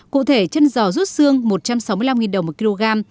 cụ thể chân giò rút xương một trăm sáu mươi năm đồng một kg